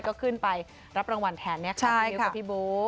ก็ขึ้นไปรับรางวัลแทนเนี่ยค่ะพี่มิ้วกับพี่โบ๊